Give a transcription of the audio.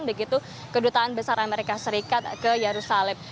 begitu kedutaan besar amerika serikat ke yerusalem